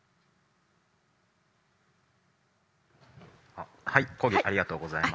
あっはい講義ありがとうございました。